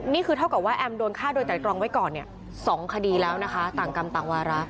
นี่คือเท่ากับว่าแอมโดนฆ่าโดยแต่ตรองไว้ก่อน๒คดีแล้วนะคะต่างกรรมต่างวาระ